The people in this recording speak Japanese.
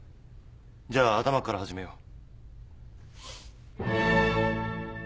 じゃあ頭から始めよう。